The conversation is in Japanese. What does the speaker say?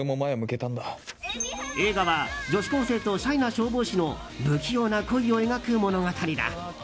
映画は女子高生とシャイな消防士の不器用な恋を描く物語だ。